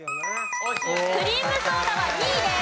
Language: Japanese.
クリームソーダは２位です。